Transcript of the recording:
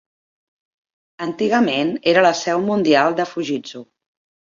Antigament era la seu mundial de Fujitsu.